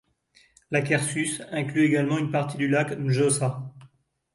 L’Akershus inclut également une partie du lac Mjøsa.